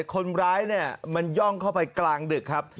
คนร้ายเนี่ยมันย่องเข้าไปกลางดึกครับ